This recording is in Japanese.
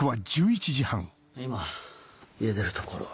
今家出るところ。